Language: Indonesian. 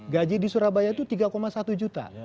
gaji di surabaya itu tiga satu juta